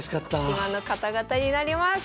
今の方々になります。